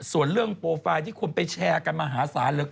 ส่วนเรื่องโปรไฟล์ที่ควรไปแชร์กันมหาศาล